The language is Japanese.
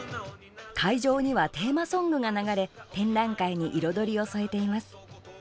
会場にはテーマソングが流れ展覧会に彩りを添えています。